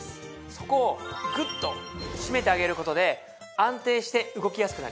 そこをグッと締めてあげる事で安定して動きやすくなります。